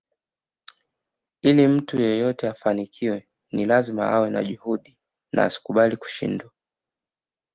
Ili mtu yeyote afanikiwe ni lazima awe na juhudi na asikubali kushindwa